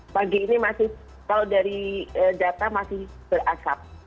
pagi ini masih kalau dari data masih berasap